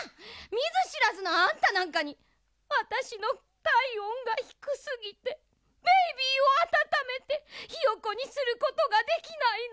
みずしらずのあんたなんかに「あたしのたいおんがひくすぎてベイビーをあたためてひよこにすることができないの。